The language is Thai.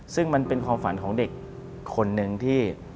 ซึ่งมันเป็นความฝันของเด็กคนนึงที่